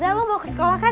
za lo mau ke sekolah kan